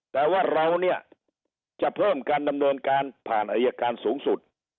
แต่ว่าเราเนี่ยจะเพิ่มการดำเนินการผ่านอายการสูงสุด